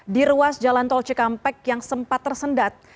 di ruas jalan tol cikampek yang sempat tersendat